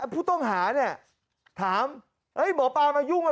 ผู้ต้องหาถามหมอปลามายุ่งอะไร